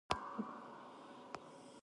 ږلۍ به پاڼه نوره هم تازه کړي.